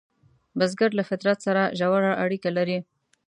بزګر له فطرت سره ژور اړیکه لري